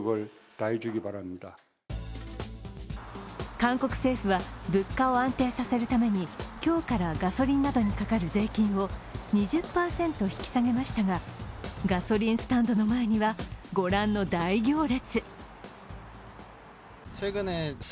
韓国政府は、物価を安定させるために今日からガソリンなどにかかる税金を２０％引き下げましたがガソリンスタンドの前には御覧の大行列。